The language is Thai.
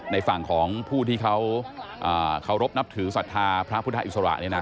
ในฝั่งของผู้ที่เขารบนับถือสัตว์ภาพพุทธศาสนานี้นะ